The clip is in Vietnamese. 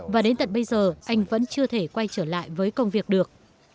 và đến tận bây giờ anh vẫn chưa thể quay trở lại với công việc được